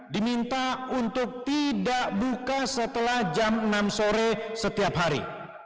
diminta untuk tidak buka setelah jam enam sore setiap hari